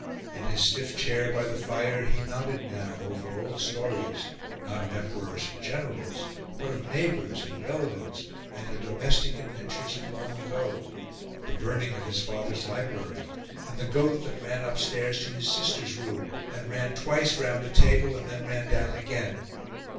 In his stiff chair by the fire he nodded now over old stories not of emperors and generals but of neighbours and relatives and the domestic adventures of long ago the burning of his father's library and the goat that ran upstairs to his sister's room and ran twice round the table and then ran down again.